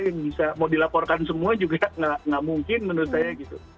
yang bisa mau dilaporkan semua juga nggak mungkin menurut saya gitu